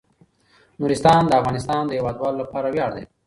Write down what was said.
نورستان د افغانستان د هیوادوالو لپاره ویاړ دی.